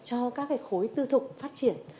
cho các khối tư thục phát triển